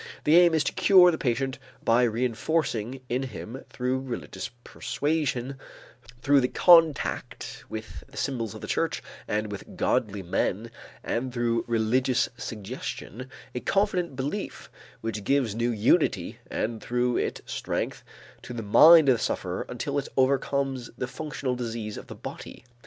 The aim is to cure the patient by reënforcing in him through religious persuasion, through the contact with the symbols of the church and with godly men and through religious suggestion, a confident belief which gives new unity and through it new strength to the mind of the sufferer until it overcomes the functional disease of the body.